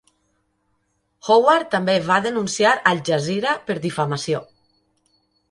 Howard també va denunciar Al Jazeera per difamació.